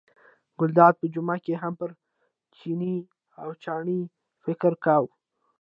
ګلداد په جمعه کې هم پر چیني او چڼي فکر کاوه.